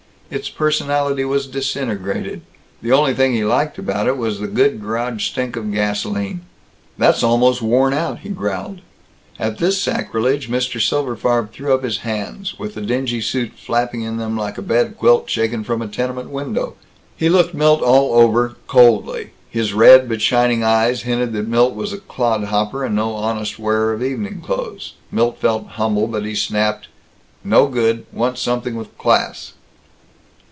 Its personality was disintegrated. The only thing he liked about it was the good garage stink of gasoline. "That's almost worn out," he growled. At this sacrilege Mr. Silberfarb threw up his hands, with the dingy suit flapping in them like a bed quilt shaken from a tenement window. He looked Milt all over, coldly. His red but shining eyes hinted that Milt was a clodhopper and no honest wearer of evening clothes. Milt felt humble, but he snapped, "No good. Want something with class."